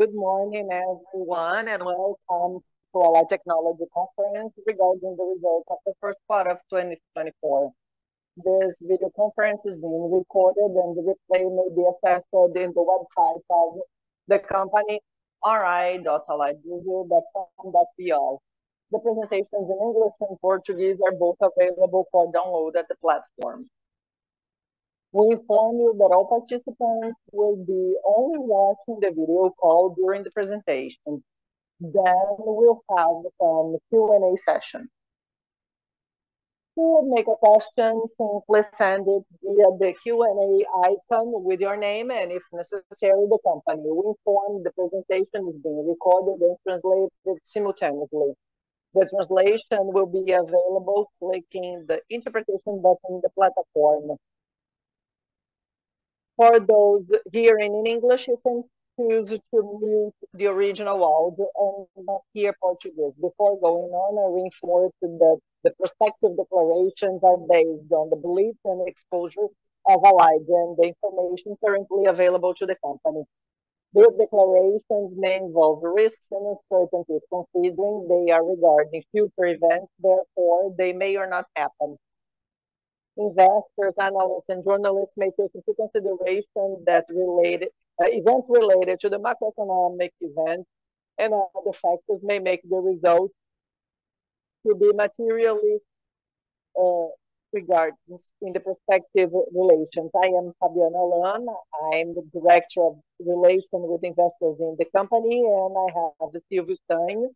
Good morning, everyone, and welcome to Allied Tecnologia Conference regarding the results of the first part of 2024. This video conference is being recorded and the replay may be accessed on the website of the company, ri.alliedbrasil.com.br. The presentations in English and Portuguese are both available for download at the platform. We inform you that all participants will be only watching the video call during the presentation. We will have some Q&A session. To make a question, simply send it via the Q&A icon with your name and, if necessary, the company. We inform the presentation is being recorded and translated simultaneously. The translation will be available clicking the interpretation button on the platform. For those hearing in English, you can choose to mute the original audio and hear Portuguese. Before going on, I reinforce that the prospective declarations are based on the beliefs and exposure of Allied and the information currently available to the company. These declarations may involve risks and uncertainties considering they are regarding future events, therefore, they may or not happen. Investors, analysts, and journalists may take into consideration that events related to the macroeconomic events and other factors may make the results to be materially regardless in the prospective relations. I am Fabiana Leão, I'm the Director of Relations with Investors in the company, and I have Silvio Zanon,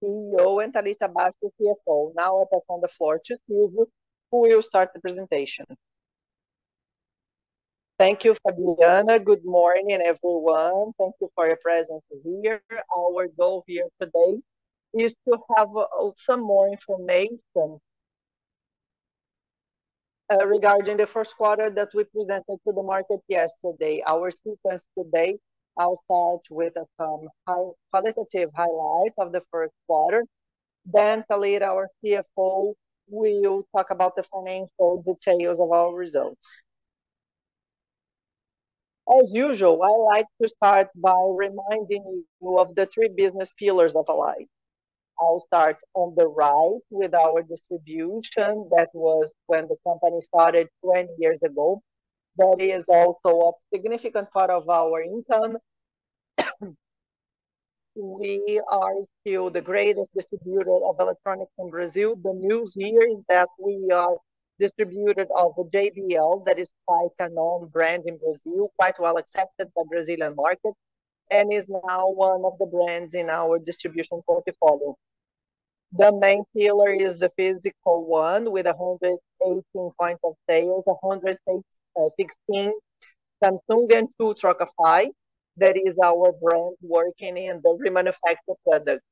CEO, and Thalita Basso, CFO. I pass on the floor to Silvio, who will start the presentation. Thank you, Fabiana. Good morning, everyone. Thank you for your presence here. Our goal here today is to have some more information regarding the first quarter that we presented to the market yesterday. Our sequence today, I'll start with some qualitative highlight of the first quarter, then Thalita, our CFO, will talk about the financial details of our results. As usual, I like to start by reminding you of the three business pillars of Allied. I'll start on the right with our distribution. That was when the company started 20 years ago. That is also a significant part of our income. We are still the greatest distributor of electronics in Brazil. The news here is that we are distributor of JBL, that is quite a known brand in Brazil, quite well accepted by Brazilian market, and is now one of the brands in our distribution portfolio. The main pillar is the physical one with 118 points of sales, 116 Samsung and two Trocafy. That is our brand working in the remanufactured products.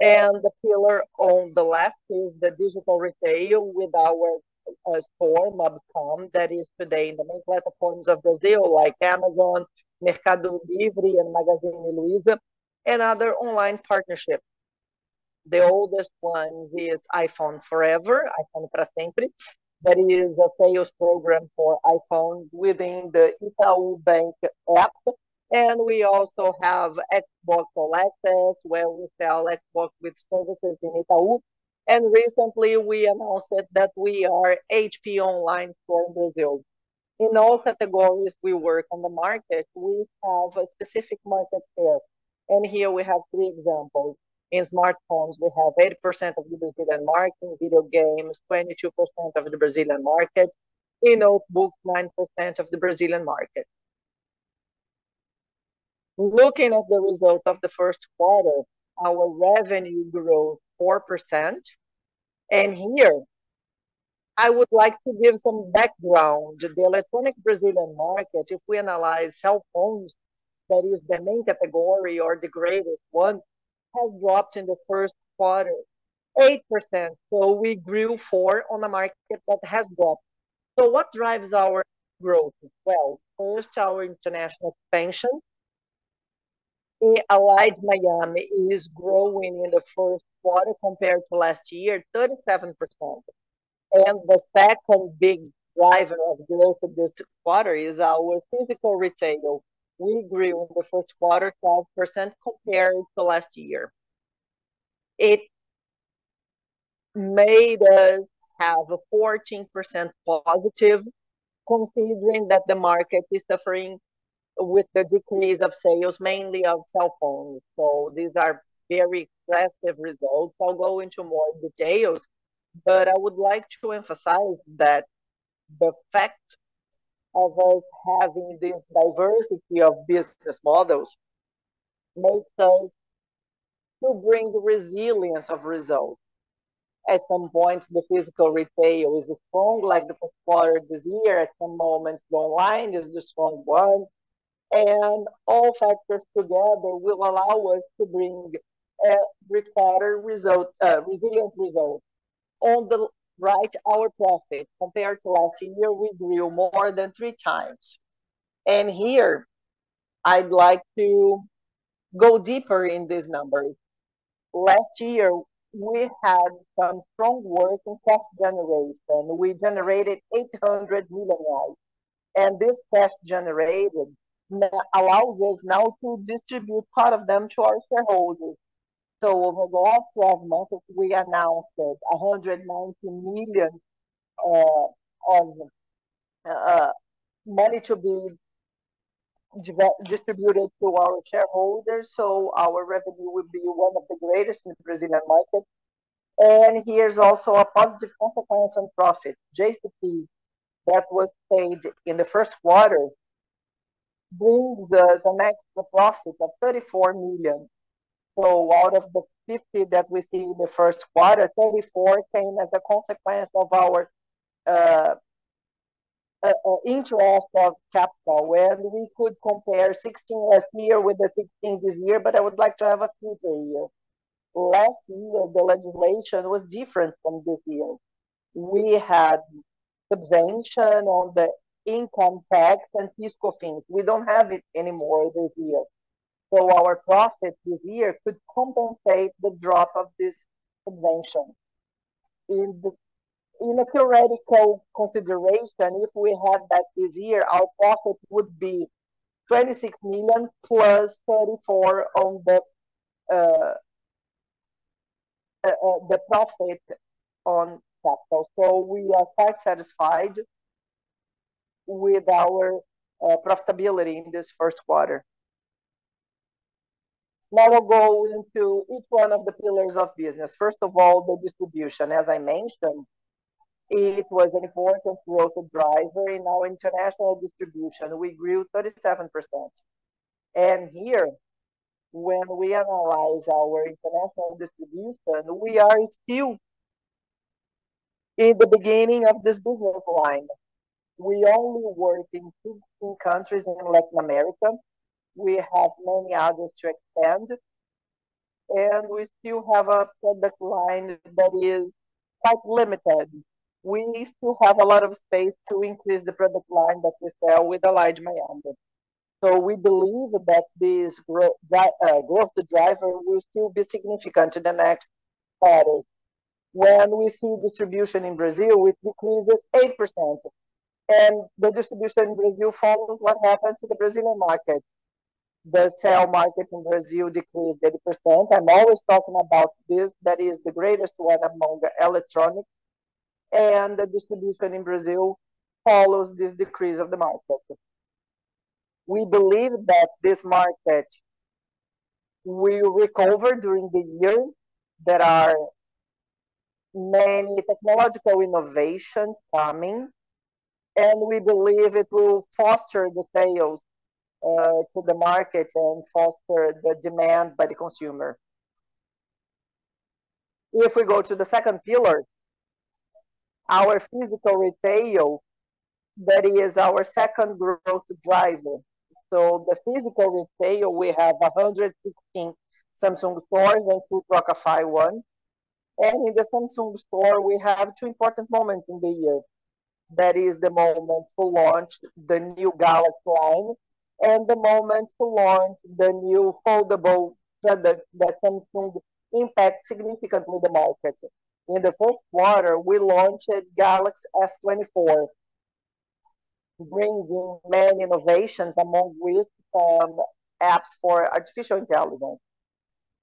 The pillar on the left is the digital retail with our store, Mobcom, that is today in the main platforms of Brazil, like Amazon, Mercado Livre, and Magazine Luiza, and other online partnerships. The oldest one is iPhone Forever, iPhone Para Sempre. That is a sales program for iPhone within the Itaú Bank app. We also have Xbox All Access, where we sell Xbox with services in Itaú. Recently we announced that we are HP online for Brazil. In all categories we work on the market, we have a specific market share. Here we have three examples. In smartphones, we have 80% of the Brazilian market. In video games, 22% of the Brazilian market. In notebooks, 9% of the Brazilian market. Looking at the result of the first quarter, our revenue grew 4%, and here I would like to give some background. The electronic Brazilian market, if we analyze cell phones, that is the main category or the greatest one, has dropped in the first quarter 8%. We grew 4% on a market that has dropped. First, our international expansion. Allied Miami is growing in the first quarter compared to last year, 37%. The second big driver of growth of this quarter is our physical retail. We grew in the first quarter 12% compared to last year. It made us have a 14% positive considering that the market is suffering with the decrease of sales, mainly of cell phones. These are very impressive results. I'll go into more details, but I would like to emphasize that the fact of us having this diversity of business models makes us to bring the resilience of results. At some point, the physical retail is strong, like the first quarter this year. At some moment, the online is the strong one. All factors together will allow us to bring a required result, a resilient result. On the right, our profit. Compared to last year, we grew more than three times. Here, I'd like to go deeper in this number. Last year, we had some strong work in cash generation. We generated 800 million. This cash generated now allows us now to distribute part of them to our shareholders. Over the last 12 months, we announced that 190 million to be distributed to our shareholders, our revenue would be one of the greatest in the Brazilian market. Here's also a positive consequence on profit. JCP that was paid in the first quarter brings us a net profit of 34 million. Out of the 50 million that we see in the first quarter, 34 million came as a consequence of our interest of capital, where we could compare 16 million last year with 16 million this year, but I would like to have a caveat here. Last year, the legislation was different from this year. We had subvention on the income tax and fiscal things. We don't have it anymore this year. Our profit this year could compensate the drop of this subvention. In a theoretical consideration, if we had that this year, our profit would be 26 million plus 44 million on the profit on capital. We are quite satisfied with our profitability in this first quarter. Now I'll go into each one of the pillars of business. First of all, the distribution. As I mentioned, it was an important growth driver. In our international distribution, we grew 37%. Here, when we analyze our international distribution, we are still in the beginning of this business line. We only work in two countries in Latin America. We have many others to expand. We still have a product line that is quite limited. We still have a lot of space to increase the product line that we sell with Allied Miami. We believe that this growth driver will still be significant in the next quarter. When we see distribution in Brazil, we decreased 8%. The distribution in Brazil follows what happened to the Brazilian market. The cell market in Brazil decreased 8%. I'm always talking about this. That is the greatest one among the electronic. The distribution in Brazil follows this decrease of the market. We believe that this market will recover during the year. There are many technological innovations coming. We believe it will foster the sales to the market and foster the demand by the consumer. We go to the second pillar, our physical retail, that is our second growth driver. The physical retail, we have 116 Samsung stores and two Trocafy one. In the Samsung store, we have two important moments in the year. That is the moment to launch the new Galaxy line, and the moment to launch the new foldable product that can impact significantly the market. In the fourth quarter, we launched Galaxy S24, bringing many innovations, among with apps for artificial intelligence.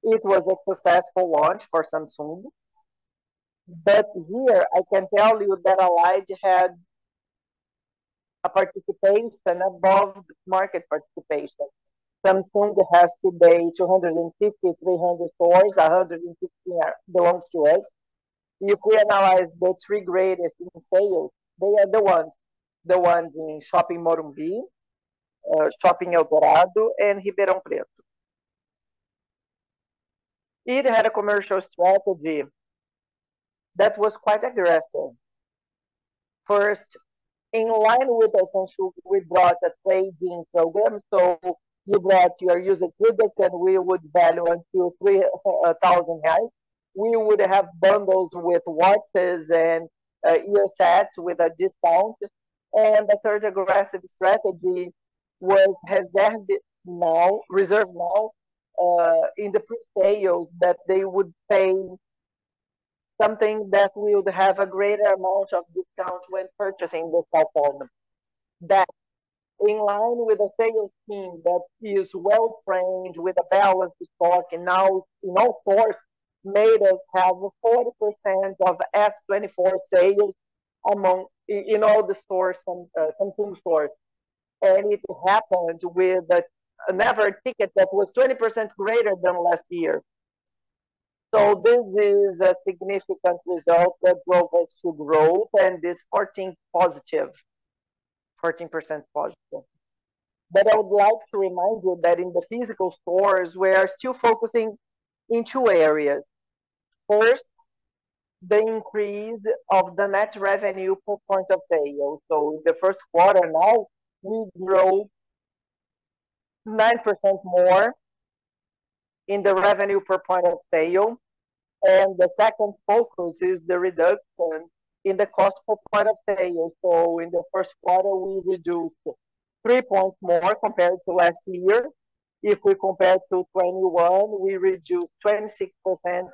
It was a successful launch for Samsung. Here, I can tell you that Allied had a participation above market participation. Samsung has today 250, 300 stores, 150 belongs to us. We analyze the three greatest in sales, they are the ones in Shopping Morumbi, Shopping Eldorado, and Ribeirão Preto. It had a commercial strategy that was quite aggressive. First, in line with Samsung, we brought a trading program. You brought your used equipment, we would value until 3,000 reais. We would have bundles with watches and ear sets with a discount. The third aggressive strategy was reserved now in the pre-sales that they would pay something that would have a greater amount of discount when purchasing the smartphone. That, in line with the sales team that is well trained with a balanced stock and our force made us have 40% of S24 sales in all the stores, Samsung stores. It happened with an average ticket that was 20% greater than last year. This is a significant result that drove us to growth and this 14% positive. I would like to remind you that in the physical stores, we are still focusing in two areas. First, the increase of the net revenue per point of sale. In the first quarter now, we grew 9% more in the revenue per point of sale. The second focus is the reduction in the cost per point of sale. In the first quarter, we reduced three points more compared to last year. We compare to 2021, we reduced 26%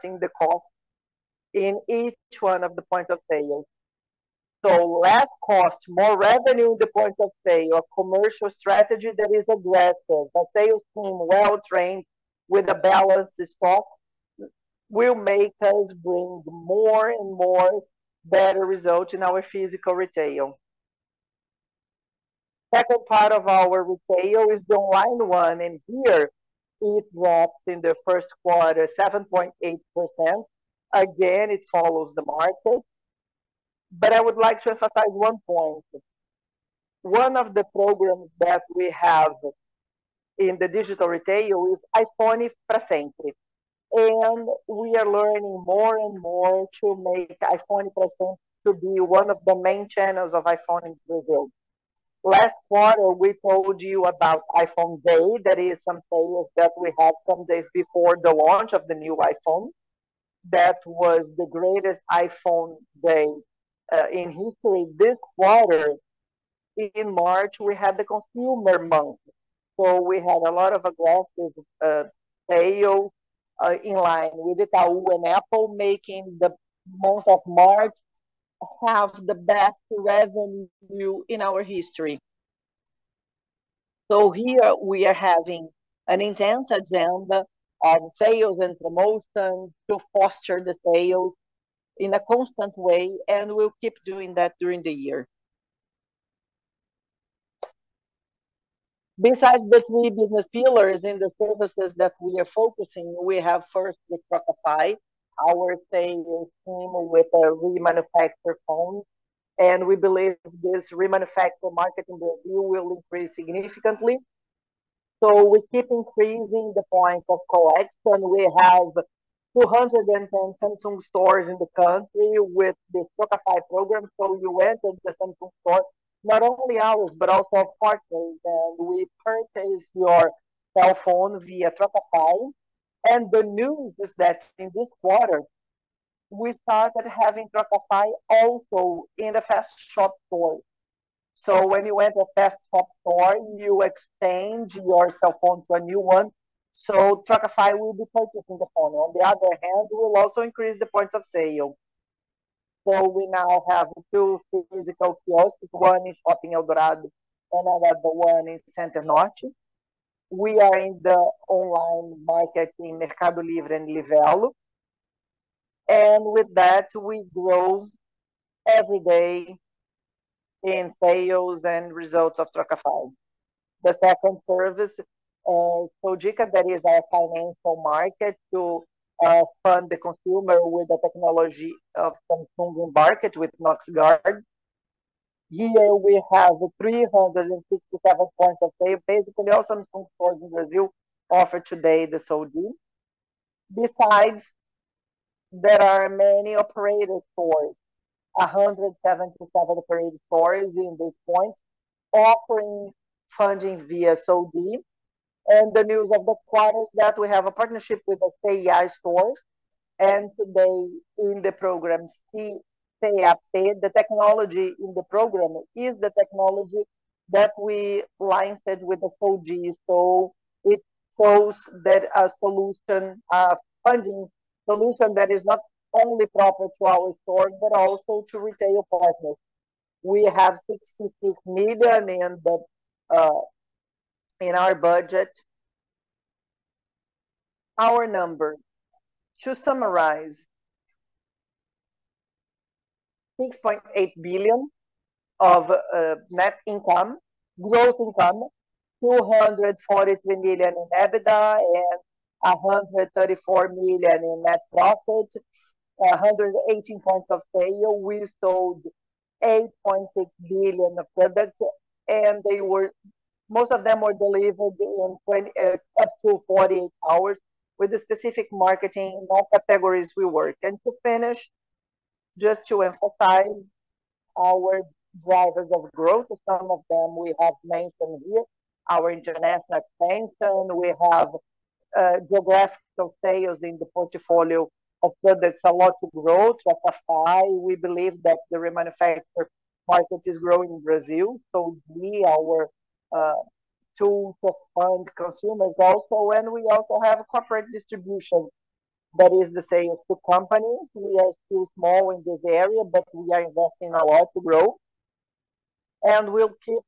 in the cost in each one of the point of sales. Less cost, more revenue in the point of sale. A commercial strategy that is a blessing. A sales team well-trained with a balanced stock will make us bring more and more better results in our physical retail. Second part of our retail is the online one. Here it dropped in the first quarter 7.8%. Again, it follows the market. I would like to emphasize one point. One of the programs that we have in the digital retail is iPhone Para Sempre, and we are learning more and more to make iPhone Para Sempre to be one of the main channels of iPhone in Brazil. Last quarter, we told you about iPhone Day. That is some follow-up that we had some days before the launch of the new iPhone. That was the greatest iPhone Day in history. This quarter, in March, we had the consumer month. We had a lot of growth with sales in line with Itaú and Apple, making the month of March have the best revenue in our history. Here we are having an intense agenda on sales and promotions to foster the sales in a constant way, and we'll keep doing that during the year. Besides the three business pillars in the services that we are focusing, we have first the Trocafy, our sales team with a remanufactured phone, and we believe this remanufactured market in Brazil will increase significantly. We keep increasing the point of collection. We have 210 Samsung stores in the country with the Trocafy program. You enter the Samsung store, not only ours, but also our partners, and we purchase your cell phone via Trocafy. The news is that in this quarter, we started having Trocafy also in the Fast Shop store. When you enter Fast Shop store, you exchange your cell phone to a new one. Trocafy will be purchasing the phone. On the other hand, we'll also increase the points of sale. We now have two physical stores, one in Shopping Eldorado and another one in Center Norte. We are in the online market in Mercado Livre and Livelo. With that, we grow every day in sales and results of Trocafy. The second service, SóDig, that is our financial market to fund the consumer with the technology of Samsung embedded with Knox Guard. Here we have 367 points of sale. Basically, all Samsung stores in Brazil offer today the SóDig. Besides, there are many operator stores, 177 operator stores in this point, offering funding via SóDig. The news of the quarter is that we have a partnership with the CI stores, and today in the program Still PayUp. The technology in the program is the technology that we licensed with the 4G, it shows that a funding solution that is not only proper to our stores, but also to retail partners. We have 66 million in our budget. Our number, to summarize, 6.8 billion of net income, gross income, 243 million in EBITDA, and 134 million in net profit, 118 points of sale. We sold 8.6 billion of products, most of them were delivered up to 48 hours with the specific marketing in all categories we work. To finish, just to emphasize our drivers of growth, some of them we have mentioned here. Our international expansion. We have geographical sales in the portfolio of products, a lot of growth. Trocafy, we believe that the remanufacture market is growing in Brazil. SóDig, our tool for fund consumers also. We also have a corporate distribution that is the sales to companies. We are still small in this area, but we are investing a lot to grow. We'll keep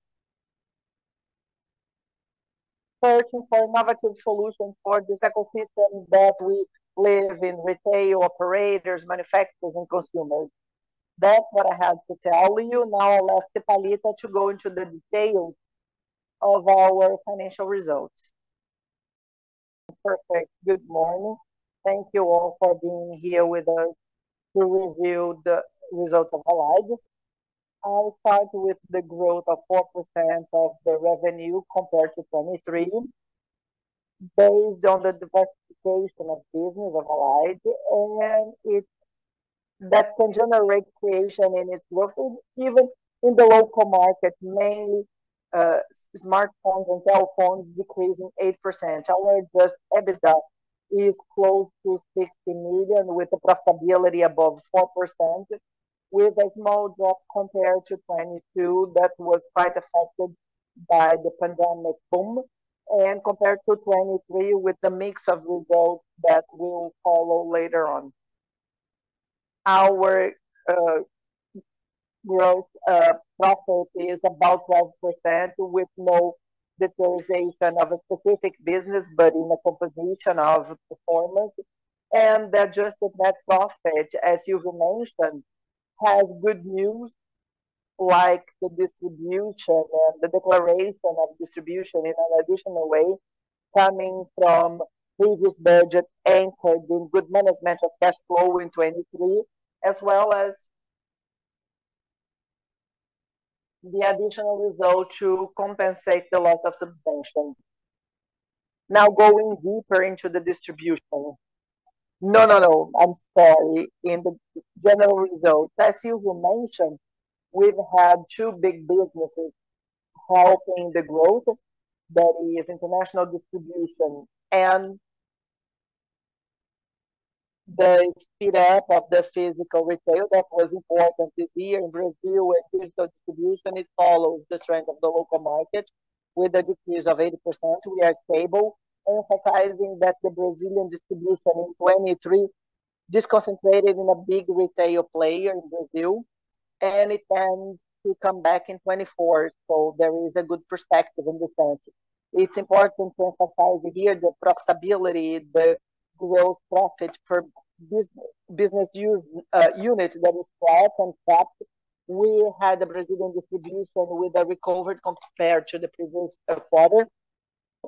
searching for innovative solutions for this ecosystem that we live in, retail operators, manufacturers, and consumers. That's what I have to tell you. Now I'll ask Thalita to go into the details of our financial results. Perfect. Good morning. Thank you all for being here with us to review the results of Allied. I'll start with the growth of 4% of the revenue compared to 2023 based on the diversification of business of Allied. That can generate creation in its local, even in the local market, mainly smartphones and cell phones decreasing 8%. Our gross EBITDA is close to 60 million with a profitability above 4%, with a small drop compared to 2022 that was quite affected by the pandemic boom, and compared to 2023 with the mix of results that will follow later on. Our gross profit is about 12% with no deterioration of a specific business, but in a composition of performance. The adjusted net profit, as you've mentioned, has good news like the distribution and the declaration of distribution in an additional way, coming from previous budget anchored in good management of cash flow in 2023, as well as the additional result to compensate the loss of Subvenção. In the general results, as you've mentioned, we've had two big businesses helping the growth. That is international distribution and the speed up of the physical retail that was important this year in Brazil, where physical distribution follows the trend of the local market. With a decrease of 80%, we are stable, emphasizing that the Brazilian distribution in 2023 just concentrated in a big retail player in Brazil, and it tends to come back in 2024. There is a good perspective in this sense. It's important to emphasize here the profitability, the gross profit per business unit that is flat and up. We had a Brazilian distribution with a recovery compared to the previous quarter,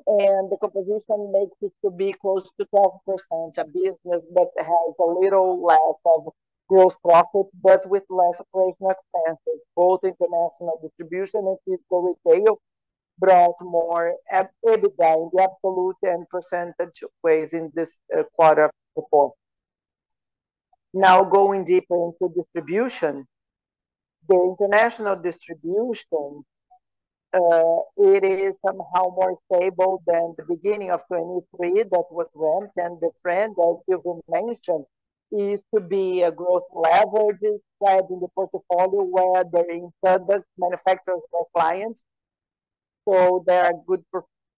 and the composition makes it to be close to 12%, a business that has a little less of gross profit, but with less operational expenses. Both international distribution and physical retail brought more EBITDA in the absolute and percentage ways in this quarter. Now going deeper into distribution. The international distribution, it is somehow more stable than the beginning of 2023. The trend, as you've mentioned, is to be a growth leverage inside the portfolio, where they include both manufacturers or clients. There are good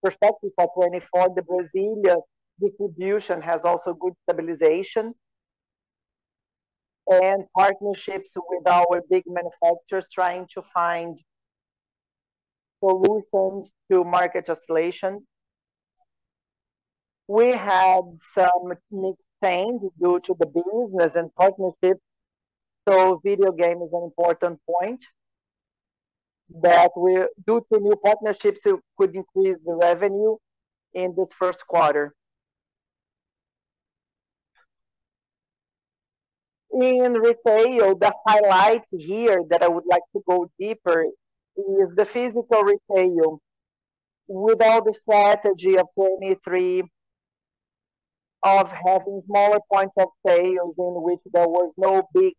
perspectives for 2024. The Brazilian distribution has also good stabilization. Partnerships with our big manufacturers trying to find solutions to market oscillation. We had some mixed things due to the business and partnerships. Video game is an important point that due to new partnerships, could increase the revenue in this first quarter. In retail, the highlight here that I would like to go deeper is the physical retail. With our strategy of 2023 of having smaller points of sales in which there was no big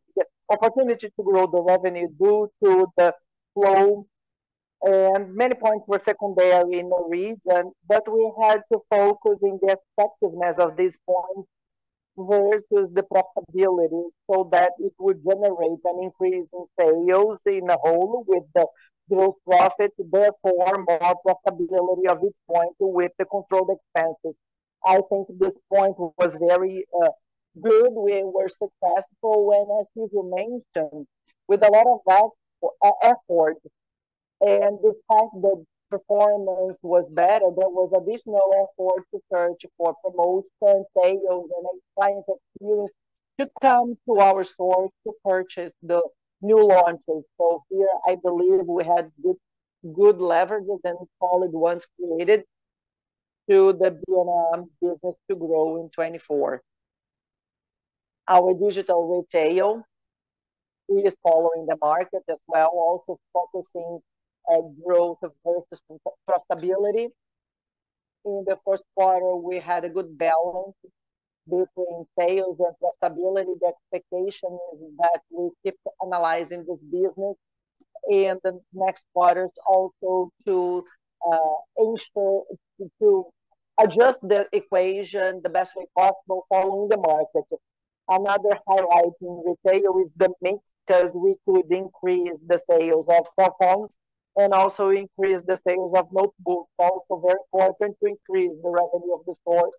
opportunity to grow the revenue due to the flow, and many points were secondary in the region. We had to focus on the effectiveness of these points versus the profitability so that it would generate an increase in sales on the whole with the gross profit. More profitability of each point with the controlled expenses. I think this point was very good. We were successful when, as you've mentioned, with a lot of effort. Despite the performance was better, there was additional effort to search for promotion sales and experience to come to our stores to purchase the new launches. Here, I believe we had good leverages and solid ones created to the B&R business to grow in 2024. Our digital retail is following the market as well, also focusing on growth of both profitability. In the first quarter, we had a good balance between sales and profitability. The expectation is that we keep analyzing this business in the next quarters also to adjust the equation the best way possible following the market. Another highlight in retail is the mix, because we could increase the sales of cell phones and also increase the sales of notebooks. Very important to increase the revenue of the stores,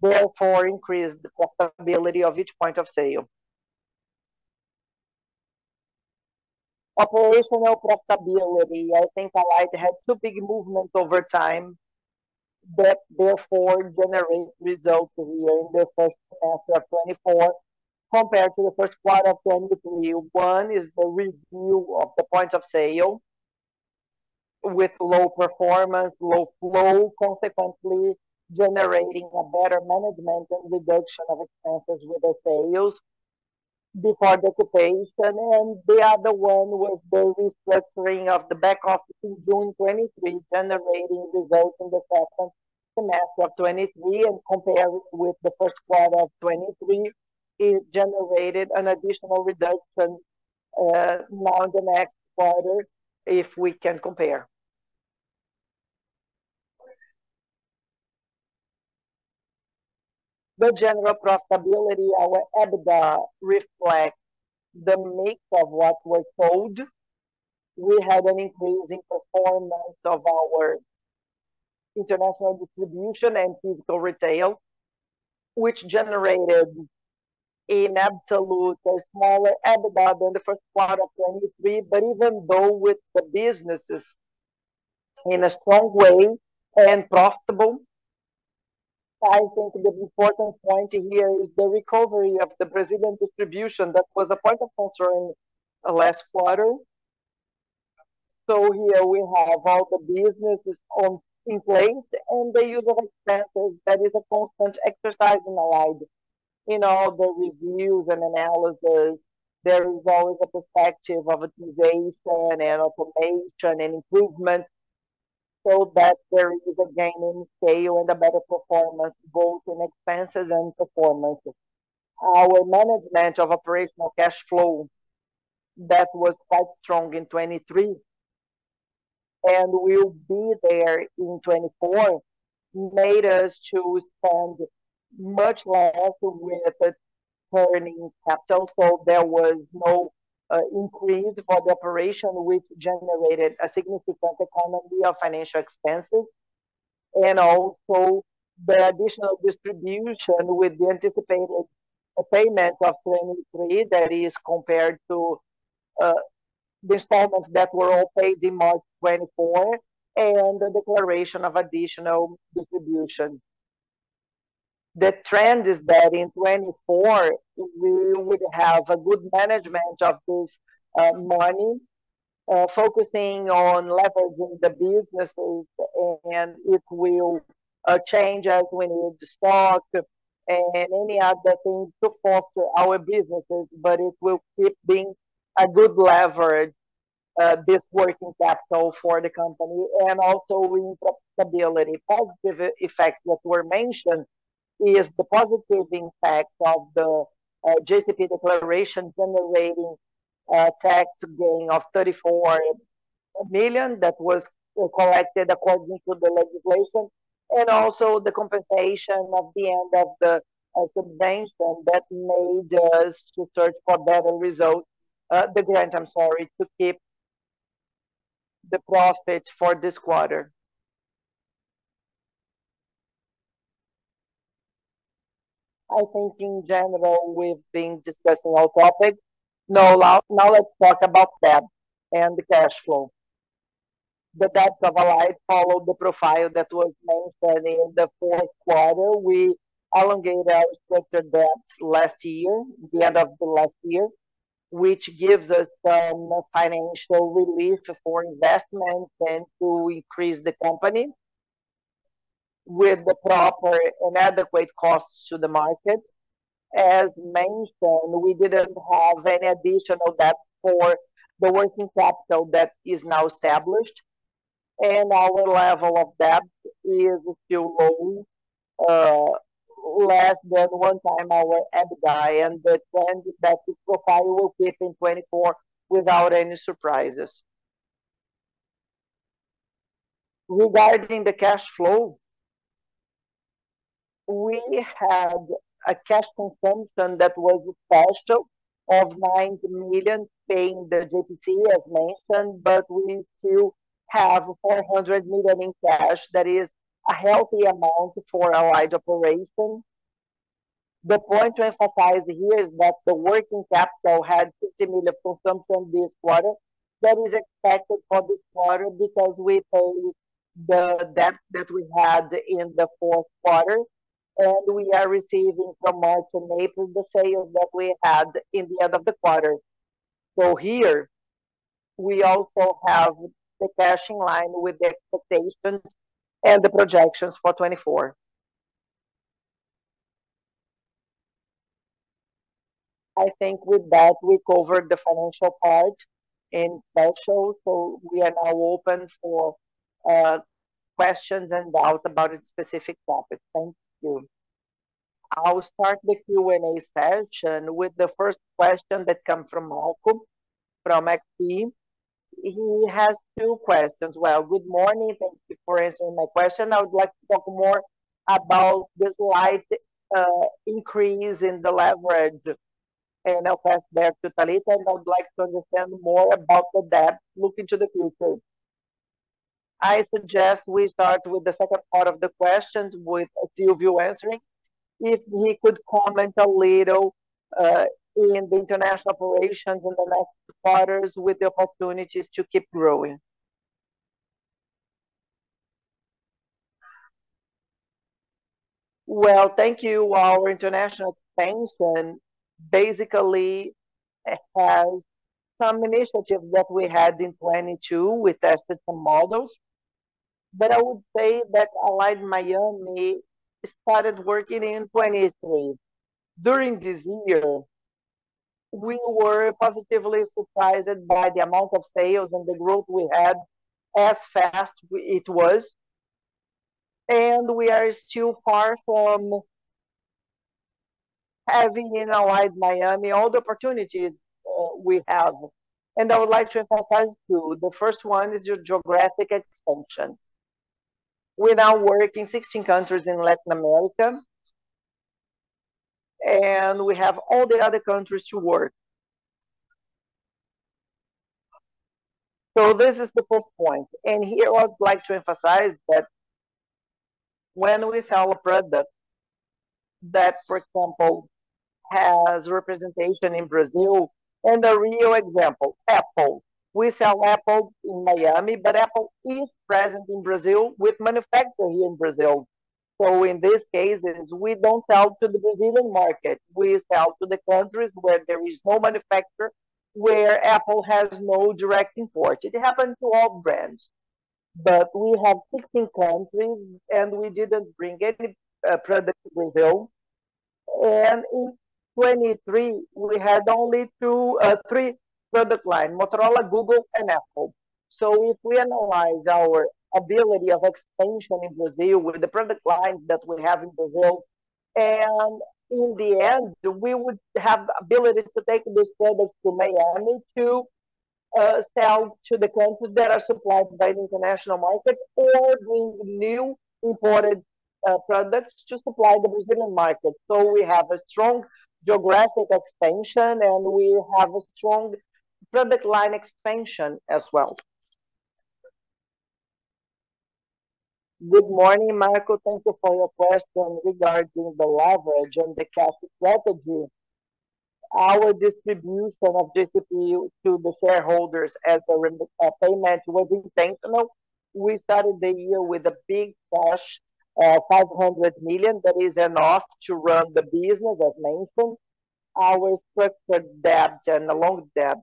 therefore increase the profitability of each point of sale. Operational profitability, I think I had two big movements over time that therefore generate results here in the first half of 2024 compared to the first quarter of 2023. One is the review of the points of sale with low performance, low flow, consequently generating a better management and reduction of expenses with the sales before the occupation. The other one was the restructuring of the back office in June 2023, generating results in the second half of 2023 and compare with the first quarter of 2023, it generated an additional reduction on the next quarter if we can compare. The general profitability, our EBITDA reflects the mix of what was sold. We had an increasing performance of our international distribution and physical retail, which generated in absolute a smaller EBITDA than the first quarter of 2023. Even though with the businesses in a strong way and profitable, I think the important point here is the recovery of the Brazilian distribution. That was a point of concern last quarter. Here we have all the businesses in place, and the use of expenses that is a constant exercise in Allied. In all the reviews and analysis, there is always a perspective of optimization and automation and improvement, so that there is a gain in scale and a better performance both in expenses and performances. Our management of operational cash flow, that was quite strong in 2023 and will be there in 2024, made us to spend much less with working capital, so there was no increase for the operation, which generated a significant economy of financial expenses and also the additional distribution with the anticipated payment of 2023 that is compared to installments that were all paid in March 2024, and the declaration of additional distribution. The trend is that in 2024, we would have a good management of this money, focusing on leveraging the businesses. It will change as we will discuss and any other thing to foster our businesses, but it will keep being a good leverage, this working capital for the company. Also in profitability. Positive effects that were mentioned is the positive impact of the JCP declaration generating a tax gain of 34 million that was collected according to the legislation, also the compensation at the end of the divestment that made us to search for better result, the grant, I'm sorry, to keep the profit for this quarter. I think in general, we've been discussing all topics. Let's talk about debt and cash flow. The debt of Allied followed the profile that was mentioned in the fourth quarter. We elongated our structured debts last year, the end of the last year, which gives us some financial relief for investments and to increase the company with the proper and adequate costs to the market. As mentioned, we didn't have any additional debt for the working capital that is now established, and our level of debt is still low, less than one time our EBITDA, and the trend is that this profile will keep in 2024 without any surprises. Regarding the cash flow, we had a cash consumption that was special of 9 million, paying the JCP, as mentioned, but we still have 400 million in cash. That is a healthy amount for Allied operation. The point to emphasize here is that the working capital had 50 million consumption this quarter. That is expected for this quarter because we paid the debt that we had in the fourth quarter, and we are receiving from March and April the sales that we had in the end of the quarter. Here we also have the cash in line with the expectations and the projections for 2024. I think with that, we covered the financial part in special. We are now open for questions and doubts about a specific topic. Thank you. I'll start the Q&A session with the first question that come from Malcolm from Equinix. He has two questions. Well, good morning. Thank you for answering my question. I would like to talk more about the slight increase in the leverage, and I'll pass back to Thalita, and I would like to understand more about the debt looking to the future. I suggest we start with the second part of the questions with Otávio answering. If he could comment a little in the international operations in the next quarters with the opportunities to keep growing. Well, thank you. Our international expansion basically has some initiative that we had in 2022. We tested some models. I would say that Allied Miami started working in 2023. We were positively surprised by the amount of sales and the growth we had, as fast as it was. We are still far from having in Allied Miami all the opportunities we have. I would like to emphasize two. The first one is your geographic expansion. We now work in 16 countries in Latin America, and we have all the other countries to work. This is the first point, and here I would like to emphasize that when we sell a product that, for example, has representation in Brazil. A real example, Apple. We sell Apple in Miami, but Apple is present in Brazil with manufacturing in Brazil. In these cases, we don't sell to the Brazilian market. We sell to the countries where there is no manufacturer, where Apple has no direct import. It happens to all brands. We have 16 countries, and we didn't bring any product to Brazil. In 2023, we had only three product line, Motorola, Google, and Apple. If we analyze our ability of expansion in Brazil with the product lines that we have in Brazil, in the end, we would have ability to take these products to Allied Miami to sell to the countries that are supplied by the international market or bring new imported products to supply the Brazilian market. We have a strong geographic expansion, and we have a strong product line expansion as well. Good morning, Michael. Thank you for your question regarding the leverage and the cash strategy. Our distribution of JCP to the shareholders as a payment was intentional. We started the year with a big push, 500 million. That is enough to run the business as mentioned. Our strict debt and the long debt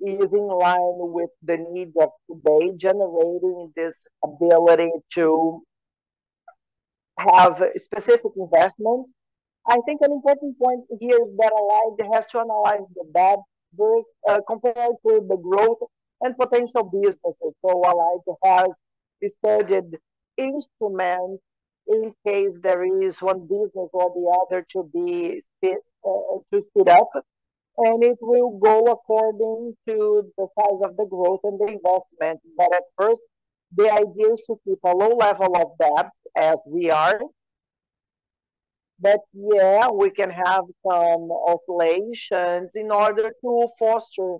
is in line with the need of today, generating this ability to have specific investment. I think an important point here is that Allied has to analyze the debt both compared to the growth and potential businesses. Allied has this targeted instrument in case there is one business or the other to speed up, and it will go according to the size of the growth and the investment. At first, the idea is to keep a low level of debt as we are. Yeah, we can have some oscillations in order to foster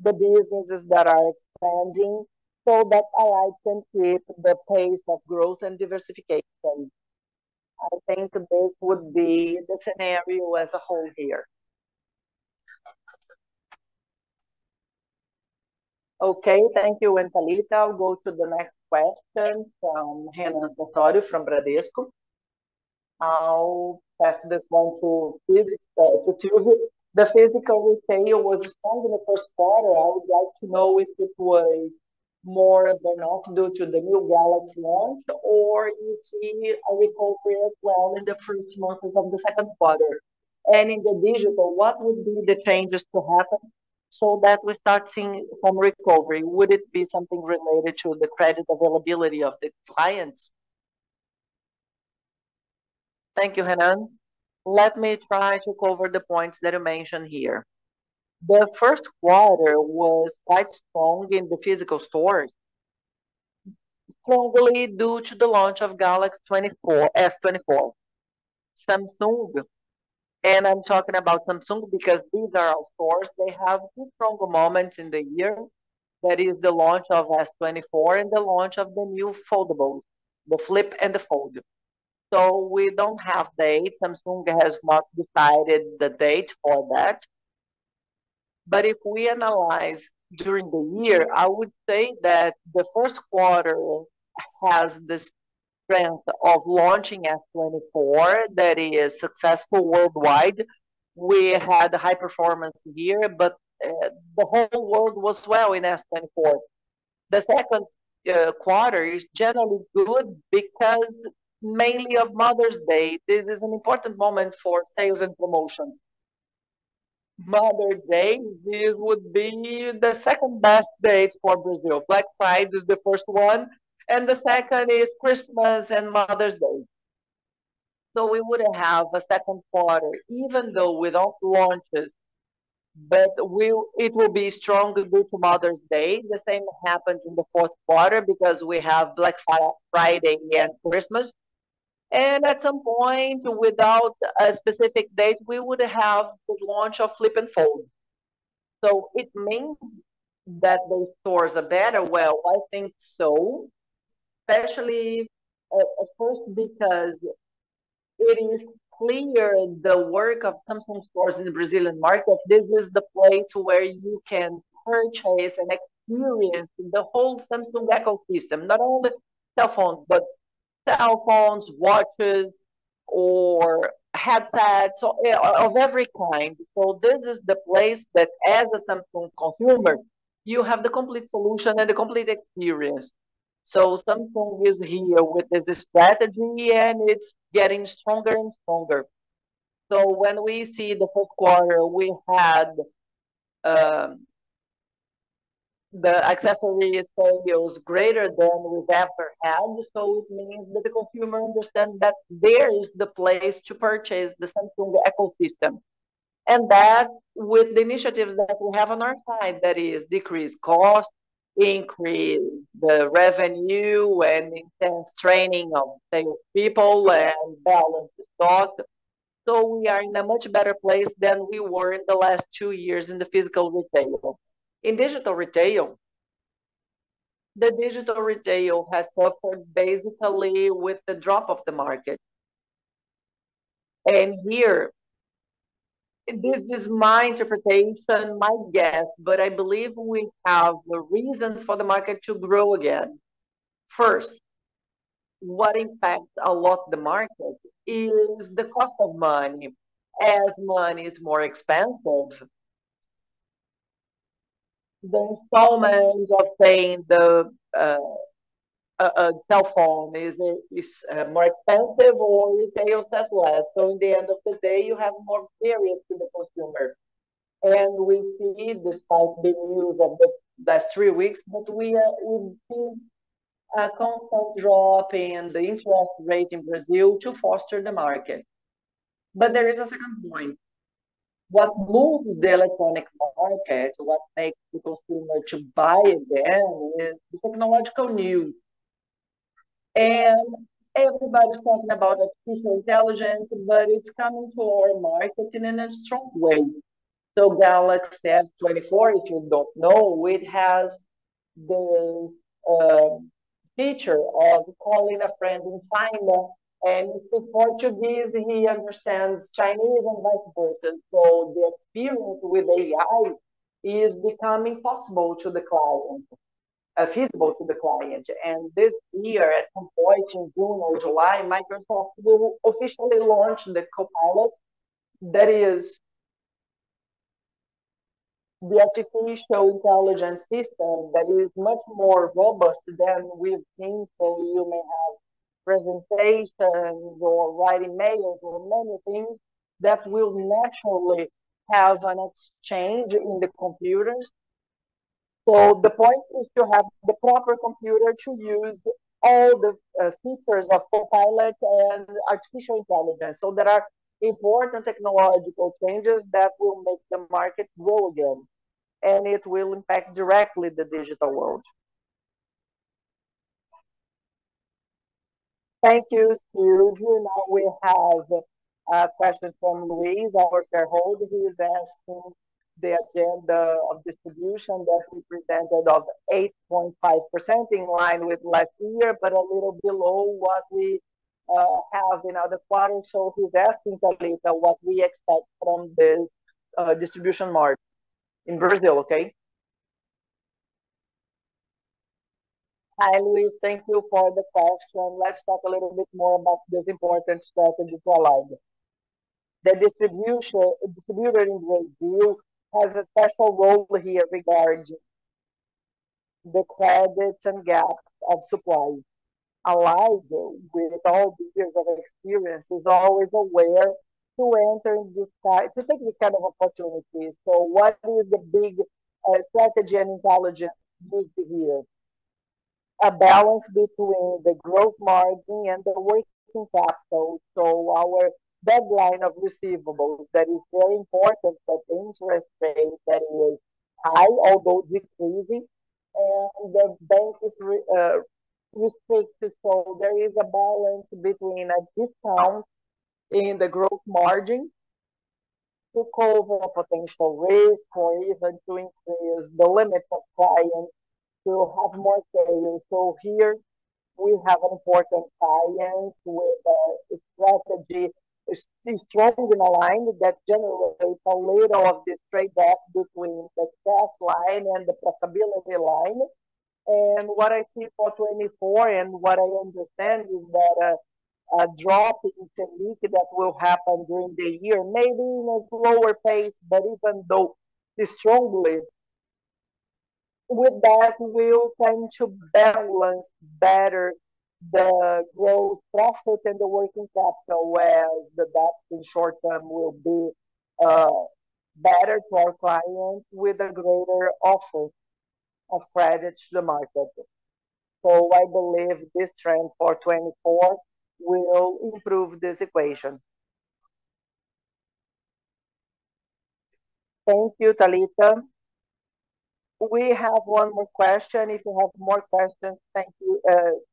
the businesses that are expanding, so that Allied can keep the pace of growth and diversification. I think this would be the scenario as a whole here. Okay, thank you. Talita, I'll go to the next question from Renan Victório from Bradesco. I'll pass this one to you. The physical retail was strong in the first quarter. I would like to know if it was more than all due to the new Galaxy launch, or you see a recovery as well in the first quarters of the second quarter. In the digital, what would be the changes to happen so that we start seeing some recovery? Would it be something related to the credit availability of the clients? Thank you, Renan. Let me try to cover the points that you mentioned here. The first quarter was quite strong in the physical stores, globally due to the launch of Galaxy S24, Samsung. I'm talking about Samsung because these are our stores. They have two strong moments in the year. That is the launch of S24 and the launch of the new foldable, the Flip and the Fold. We don't have dates. Samsung has not decided the date for that. If we analyze during the year, I would say that the first quarter has the strength of launching S24 that is successful worldwide. We had a high-performance year, but the whole world was well in S24. The second quarter is generally good because mainly of Mother's Day. This is an important moment for sales and promotion. Mother's Day, this would be the second-best date for Brazil. Black Friday is the first one, the second is Christmas and Mother's Day. We would have a second quarter, even though without launches, but it will be strongly due to Mother's Day. The same happens in the fourth quarter because we have Black Friday and Christmas. At some point, without a specific date, we would have the launch of Flip and Fold. It means that those stores are better? Well, I think so, especially, of course, because it is clear the work of Samsung stores in the Brazilian market. This is the place where you can purchase and experience the whole Samsung ecosystem. Not only cell phones, but cell phones, watches, or headsets of every kind. This is the place that as a Samsung consumer, you have the complete solution and the complete experience. Samsung is here with the strategy and it's getting stronger and stronger. When we see the fourth quarter, we had the accessories sales greater than we've ever had. It means that the consumer understand that there is the place to purchase the Samsung ecosystem. That with the initiatives that we have on our side, that is decrease cost, increase the revenue, and intense training of sales people and balance the stock. We are in a much better place than we were in the last two years in the physical retail. In digital retail, the digital retail has suffered basically with the drop of the market. Here, this is my interpretation, my guess, but I believe we have the reasons for the market to grow again. First, what impacts a lot the market is the cost of money. As money is more expensive, the installments of paying the cell phone is more expensive or retail sells less. In the end of the day, you have more variance to the consumer. We see despite the news of the last three weeks, but we see a constant drop in the interest rate in Brazil to foster the market. There is a second point. What moves the electronic market, what makes the consumer to buy again, is the technological news. Everybody's talking about artificial intelligence, but it's coming to our market in a strong way. Galaxy S24, if you don't know, it has this feature of calling a friend in China and speak Portuguese, and he understands Chinese and vice versa. The experience with AI is becoming feasible to the client. This year, at some point in June or July, Microsoft will officially launch the Copilot. That is the artificial intelligence system that is much more robust than we've seen. You may have presentations or writing mails or many things that will naturally have an exchange in the computers. The point is to have the proper computer to use all the features of Copilot and artificial intelligence. There are important technological changes that will make the market grow again, and it will impact directly the digital world. Thank you, Ruju. Now we have a question from Luis, our shareholder. He is asking the agenda of distribution that we presented of 8.5% in line with last year, but a little below what we have in other quarters. He's asking, Thalita, what we expect from the distribution market in Brazil. Okay. Hi, Luis. Thank you for the question. Let's talk a little bit more about this important strategy for Allied. The distribution in Brazil has a special role here regarding the credits and gaps of supply. Allied, with all the years of experience, is always aware to enter and to take this kind of opportunities. What is the big strategy and intelligence used here? A balance between the growth margin and the working capital. Our deadline of receivables, that is very important, the interest rate that it was high, although decreasing, and the bank is restrictive. There is a balance between a discount in the gross margin to cover potential risks or even to increase the limits of clients who have more sales. Here we have important clients with a strategy, strengthening the line that generates a little of this trade-off between the cost line and the profitability line. What I see for 2024 and what I understand is that a drop in rate that will happen during the year, maybe in a slower pace, but even though strongly, with that will tend to balance better the gross profit and the working capital. Well, the drop in short term will be better to our client with a greater offer of credit to the market. I believe this trend for 2024 will improve this equation. Thank you, Thalita. We have one more question. If you have more questions, thank you.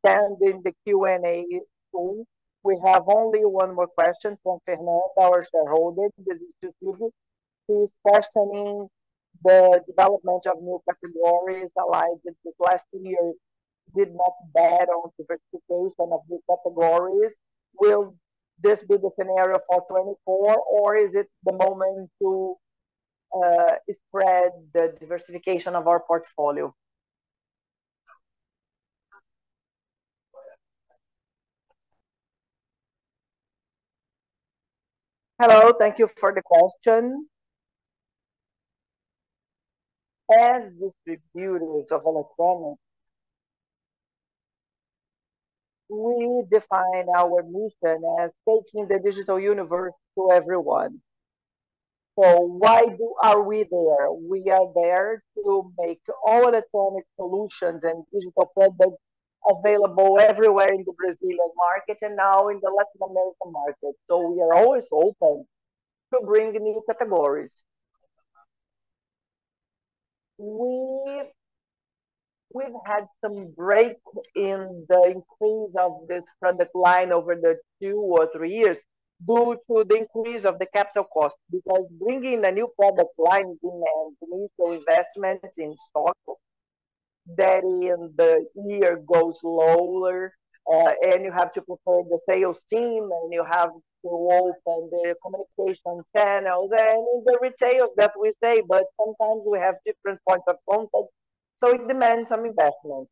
Send in the Q&A tool. We have only one more question from Fernando, our shareholder. This is Ruju, who is questioning the development of new categories. Allied, this last year, did not bet on diversification of new categories. Will this be the scenario for 2024, or is it the moment to spread the diversification of our portfolio? Hello. Thank you for the question. As distributors of Holochromic, we define our mission as taking the digital universe to everyone. Why are we there? We are there to make all atomic solutions and digital products available everywhere in the Brazilian market and now in the Latin American market. We are always open to bring new categories. We've had some break in the increase of this product line over the two or three years due to the increase of the capital cost, because bringing a new product line demands initial investments in stock. The year goes lower, and you have to prepare the sales team, and you have to open the communication channel, then the retails that we say, but sometimes we have different points of control, so it demands some investment.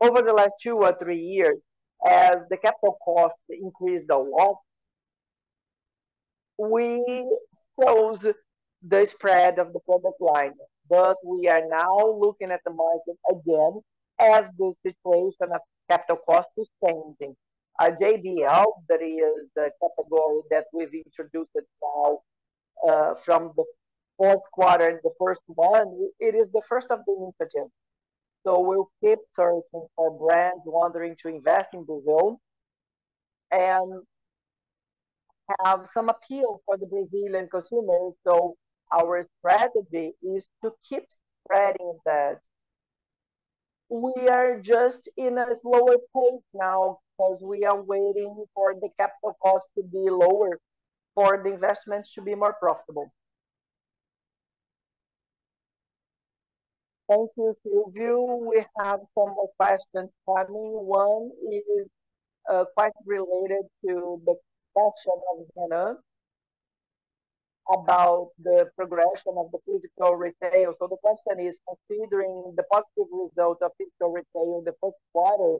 Over the last two or three years, as the capital cost increased a lot, we closed the spread of the product line. We are now looking at the market again as the situation of capital cost is changing. JBL, that is the category that we've introduced now, from the fourth quarter and the first volume, it is the first of the initiative. We'll keep searching for brands wanting to invest in Brazil, and have some appeal for the Brazilian consumer. Our strategy is to keep spreading that. We are just in a slower pace now because we are waiting for the capital cost to be lower for the investments to be more profitable. Thank you, Silvio. We have some more questions coming. One is quite related to the question of Anna about the progression of the physical retail. The question is, considering the positive result of physical retail in the fourth quarter,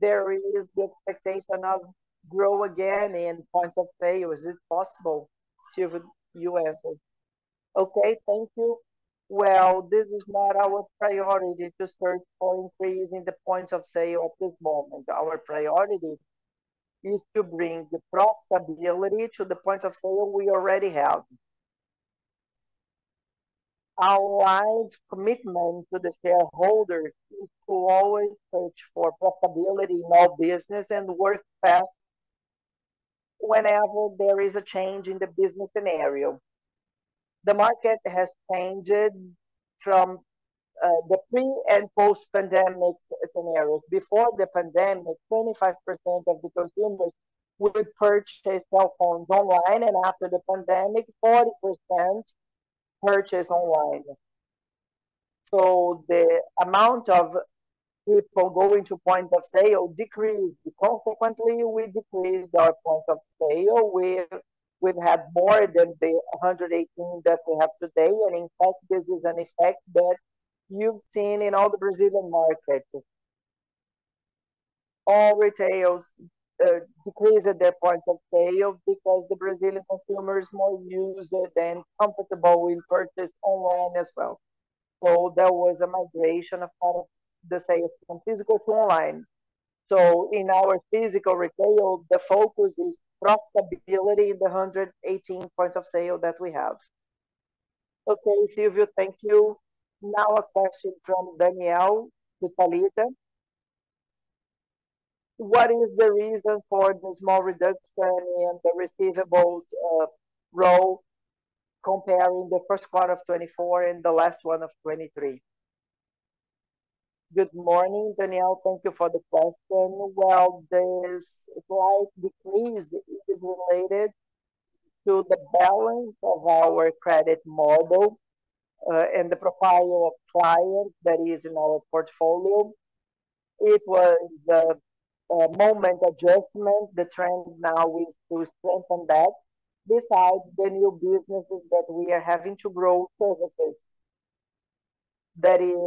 there is the expectation of grow again in point of sale. Is it possible? Silvio, you answer. Okay, thank you. Well, this is not our priority to start or increasing the points of sale at this moment. Our priority is to bring the profitability to the points of sale we already have. Our wide commitment to the shareholders is to always search for profitability in all business and work fast whenever there is a change in the business scenario. The market has changed from the pre- and post-pandemic scenarios. Before the pandemic, 25% of the consumers would purchase cell phones online. After the pandemic, 40% purchase online. The amount of people going to point of sale decreased. Consequently, we decreased our points of sale. We've had more than the 118 that we have today. In fact, this is an effect that you've seen in all the Brazilian market. All retails decreased their points of sale because the Brazilian consumers more used and comfortable will purchase online as well. There was a migration of all the sales from physical to online. In our physical retail, the focus is profitability in the 118 points of sale that we have. Okay, Silvio. Thank you. Now a question from Danielle to Thalita. What is the reason for the small reduction in the receivables row comparing the first quarter of 2024 and the last one of 2023? Good morning, Danielle. Thank you for the question. This slight decrease is related to the balance of our credit model, and the profile of client that is in our portfolio. It was the moment adjustment. The trend now is to strengthen that. Besides the new businesses that we are having to grow services, that is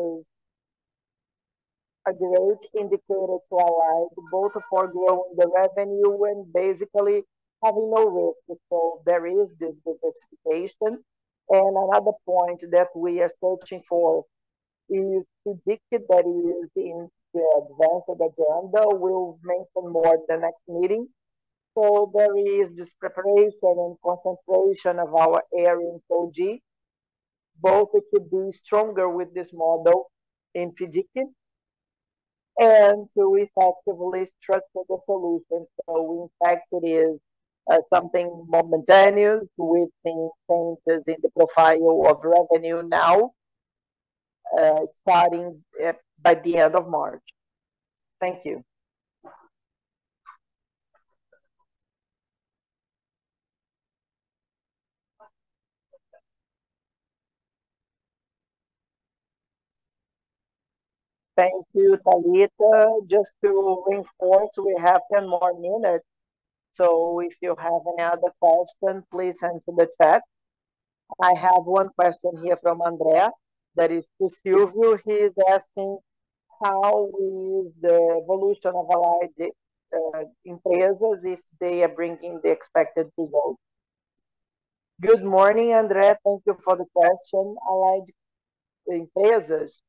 a great indicator to Allied, both for growing the revenue and basically having no risk. There is this diversification. Another point that we are searching for is predicted that is in the advance of agenda. We'll mention more at the next meeting. There is this preparation and concentration of our area in 4G. Both it will be stronger with this model in Fijikin, and to effectively structure the solution. In fact, it is something momentaneous within changes in the profile of revenue now, starting by the end of March. Thank you. Thank you, Thalita. Just to reinforce, we have 10 more minutes. If you have any other question, please send to the chat. I have one question here from Andrea. That is to Silvio. He's asking how is the evolution of Allied Empresas, if they are bringing the expected result? Good morning, Andrea. Thank you for the question. Allied Empresas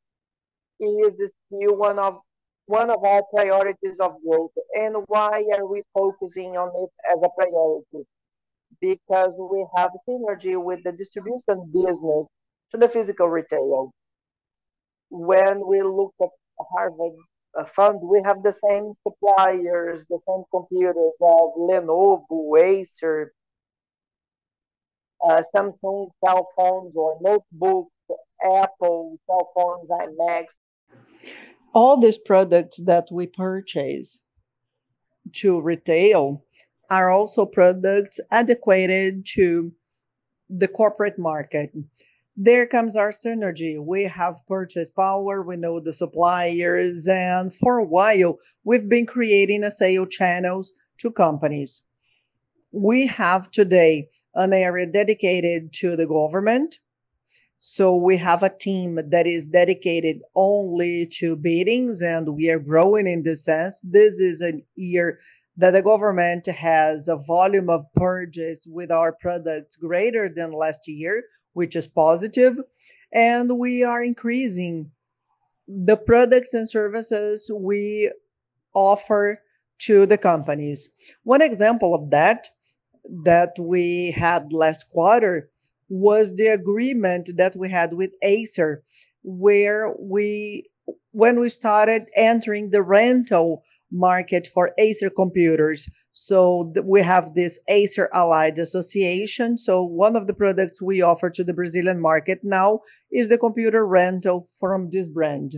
is still one of our priorities of growth. Why are we focusing on it as a priority? Because we have synergy with the distribution business to the physical retail. When we look at Harvard Fund, we have the same suppliers, the same computers of Lenovo, Acer, Samsung cell phones or notebooks, Apple cell phones, iMacs. All these products that we purchase to retail are also products adequate to the corporate market. There comes our synergy. We have purchase power, we know the suppliers. For a while, we've been creating sale channels to companies. We have today an area dedicated to the government. We have a team that is dedicated only to biddings. We are growing in this sense. This is a year that the government has a volume of purchase with our products greater than last year, which is positive. We are increasing the products and services we offer to the companies. One example of that we had last quarter, was the agreement that we had with Acer, when we started entering the rental market for Acer computers. We have this Acer Allied Association. One of the products we offer to the Brazilian market now is the computer rental from this brand.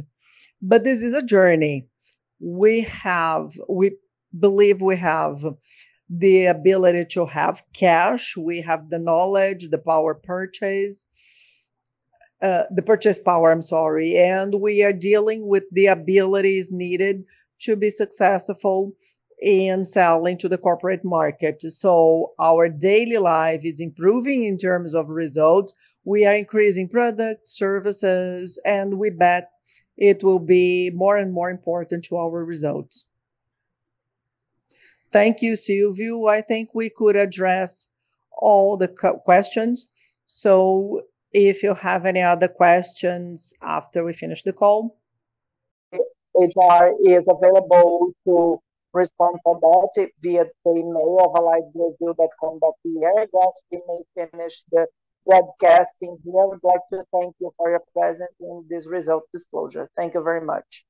This is a journey. We believe we have the ability to have cash, we have the knowledge, the purchase power, and we are dealing with the abilities needed to be successful in selling to the corporate market. Our daily life is improving in terms of results. We are increasing product, services, and we bet it will be more and more important to our results. Thank you, Silvio. I think we could address all the questions. If you have any other questions after we finish the call, HR is available to respond about it via the email of alliedbrasil.com.br. Thus, we may finish the webcasting here. We'd like to thank you for your presence in this result disclosure. Thank you very much.